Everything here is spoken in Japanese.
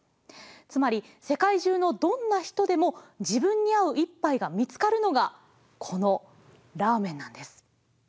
つまり世界中のどんな人でも自分に合う一ぱいが見つかるのがこのラーメンなんです。